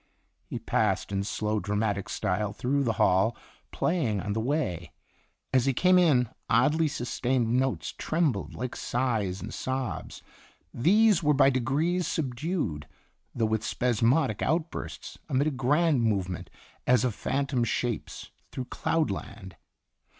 He passed, in slow, dramatic style, through the hall, play ing on the way. As he came in, oddly sus tained notes trembled like sighs and sobs; these were by degrees subdued, though with spasmodic outbursts, amid a grand movement as of phantom shapes through cloud land.